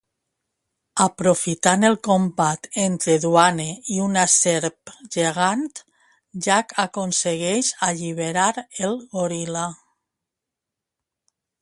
Aprofitant el combat entre Duane i una serp gegant, Jack aconsegueix alliberar el goril·la.